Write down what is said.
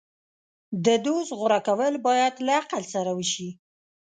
د دوست غوره کول باید له عقل سره وشي.